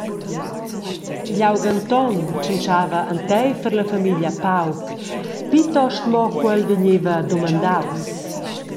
Igl aug Anton tschintschava enteifer la famiglia pauc, plitost mo cu el vegneva dumandaus.